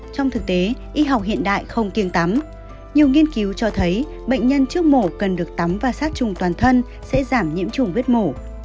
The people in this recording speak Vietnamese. trong thực tế y học hiện đại không kiêng tắm nhiều nghiên cứu cho thấy bệnh nhân trước mổ cần được tắm và sát trùng toàn thân sẽ giảm nhiễm trùng vết mổ